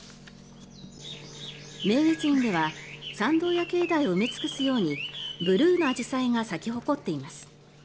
明月院では参道や境内を埋め尽くすようにブルーのアジサイが咲き誇っています。